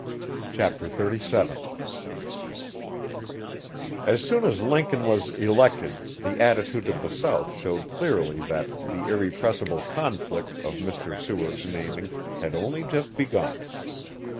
Chapter 37 As soon as Lincoln was elected the attitude of the South showed clearly that 'the irrepressible conflict', of Mr Seward's naming, had only just begun.